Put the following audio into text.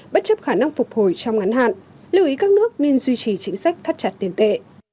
bất chấp khả năng phục hồi trong ngắn hạn lưu ý các nước nên duy trì chính sách thắt chặt tiền tệ